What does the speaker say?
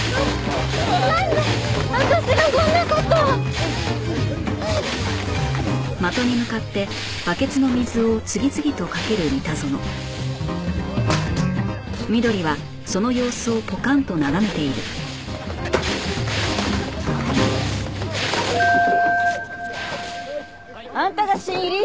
なんで私がこんな事を！？あんたが新入り？